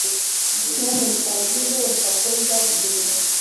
Nyamuneka wuzuze urupapuro rwabigenewe.